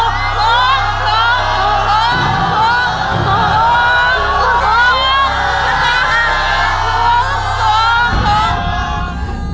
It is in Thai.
ถูก